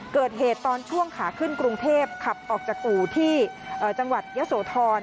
เกิดเหตุตอนช่วงขาขึ้นกรุงเทพขับออกจากอู่ที่จังหวัดยะโสธร